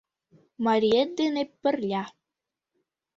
Мариет дене пырля.